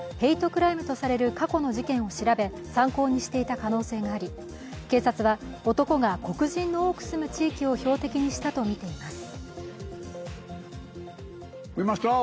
クライムとされる過去の事件を調べ、参考にしていた可能性があり警察は男が黒人の多く住む地域を標的にしたとみています。